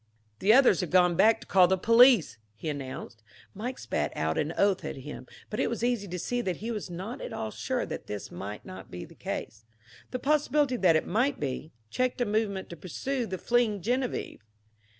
"The others have gone back to call the police," he announced. Mike spat out an oath at him, but it was easy to see that he was not at all sure that this might not be the case. The possibility that it might be, checked a movement to pursue the fleeing Geneviève.